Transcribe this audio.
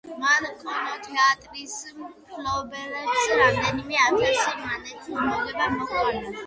მან კინოთეატრის მფლობელებს რამდენიმე ათასი მანეთის მოგება მოუტანა.